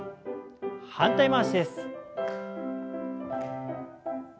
反対回しです。